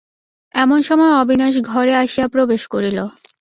এমন সময় অবিনাশ ঘরে আসিয়া প্রবেশ করিল।